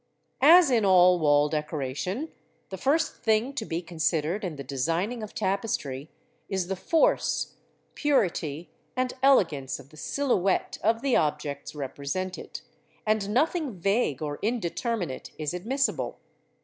As in all wall decoration, the first thing to be considered in the designing of Tapestry is the force, purity, and elegance of the silhouette of the objects represented, and nothing vague or indeterminate is admissible.